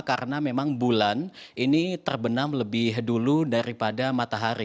karena memang bulan ini terbenam lebih dulu daripada matahari